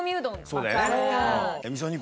そうだよね。